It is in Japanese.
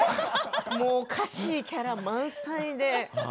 おかしいキャラ満載で。